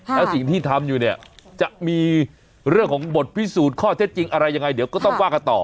แล้วสิ่งที่ทำอยู่เนี่ยจะมีเรื่องของบทพิสูจน์ข้อเท็จจริงอะไรยังไงเดี๋ยวก็ต้องว่ากันต่อ